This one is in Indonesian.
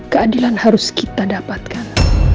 keadilan harus kita dapatkan